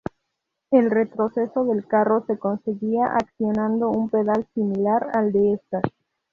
El retroceso del carro se conseguía accionando un pedal similar al de estas.